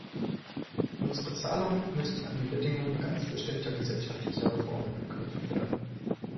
Unsere Zahlungen müssen an die Bedingung ganz bestimmter gesellschaftlicher Reformen geknüpft werden.